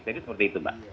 jadi seperti itu pak